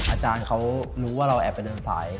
อาจารย์เขารู้ว่าเราแอบไปเดินสาย